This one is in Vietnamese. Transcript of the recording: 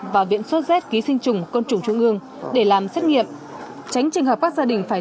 và viện sốt z ký sinh trùng côn trùng trung ương để làm xét nghiệm tránh trường hợp các gia đình phải